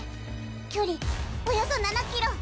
距離およそ７ｋｍ。